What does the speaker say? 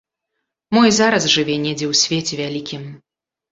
Мо і зараз жыве недзе ў свеце вялікім.